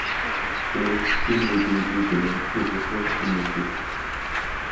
ئۇ پۈتۈن ۋۇجۇدى بىلەن ئوزۇقلۇق سۈمۈردى.